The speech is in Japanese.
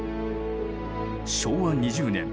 昭和２０年